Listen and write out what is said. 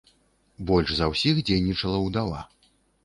Больш за ўсіх дзейнічала ўдава.